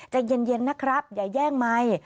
เจ๋งเย็นนะครับอย่าแย่งใหม่